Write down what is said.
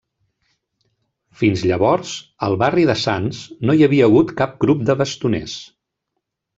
Fins llavors, al barri de Sants no hi havia hagut cap grup de bastoners.